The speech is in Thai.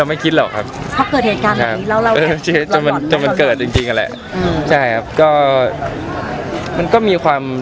เราไม่คิดว่ามันจะมีใครมาขึ้นบ้านผมไงครับ